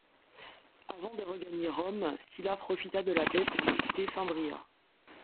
Avant de regagner Rome, Sylla profita de la paix pour liquider Fimbria.